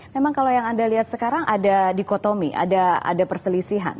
memang kalau yang anda lihat sekarang ada dikotomi ada perselisihan